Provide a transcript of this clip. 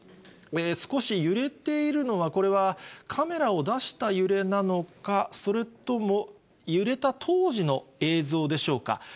少し揺れているのは、これはカメラを出した揺れなのか、それとも揺れた当時の映像でしょうか。